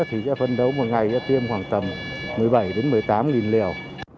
thì sẽ phân đấu một ngày tiêm khoảng tầm một mươi bảy một mươi tám liều